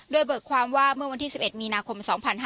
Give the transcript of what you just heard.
โดยเบิกความว่าเมื่อวันที่๑๑มีนาคม๒๕๕๙